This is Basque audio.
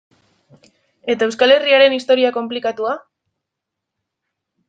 Eta Euskal Herriaren historia konplikatua?